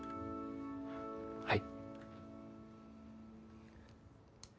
はい。